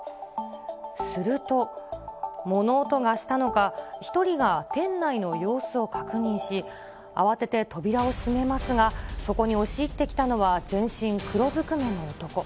すると、物音がしたのか、１人が店内の様子を確認し、慌てて扉を閉めますが、そこに押し入ってきたのは、全身黒ずくめの男。